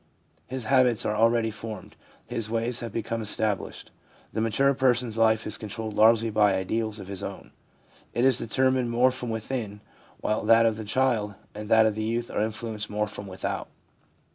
His habits are already formed ; his ways have become established. The mature person's life is controlled largely by ideals of his own ; it is determined more from within, while that of the child and that of the youth are influenced more from without.